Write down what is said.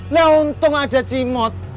lah untung ada cimot